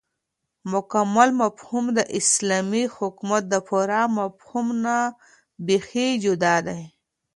مكمل مفهوم داسلامي حكومت دپوره مفهوم نه بيخي جدا دى